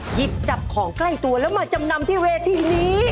หยิบจับของใกล้ตัวแล้วมาจำนำที่เวทีนี้